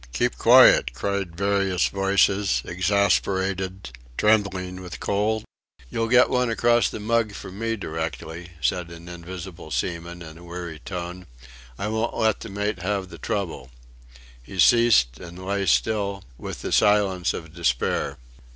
"Keep quiet!" cried various voices, exasperated, trembling with cold. "You'll get one across the mug from me directly," said an invisible seaman, in a weary tone, "I won't let the mate have the trouble." He ceased and lay still with the silence of despair.